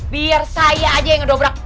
biar saya aja yang ngedobrak